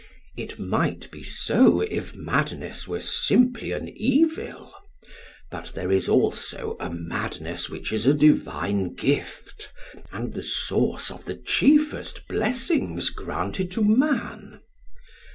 It might be so if madness were simply an evil; but there is also a madness which is a divine gift, and the source of the chiefest blessings granted to men.